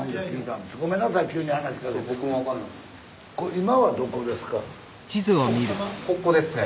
今はどこですか？